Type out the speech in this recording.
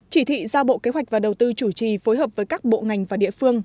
chỉ thị ra bộ kế hoạch và đầu tư chủ trì phối hợp với các bộ ngành và địa phương